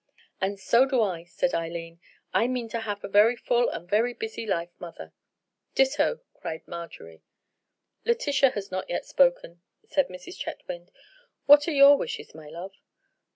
"And so do I," said Eileen. "I mean to have a very full and very busy life, mother." "Ditto," cried Marjorie. "Letitia has not yet spoken," said Mrs. Chetwynd.—"What are your wishes, my love?"